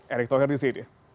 erick thohir di sini